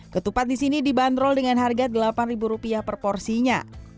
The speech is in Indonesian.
ketupat di sini dibanderol dengan harga delapan ribu rupiah per porsinya